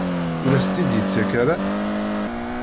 Ur as-tt-id-yettak ara?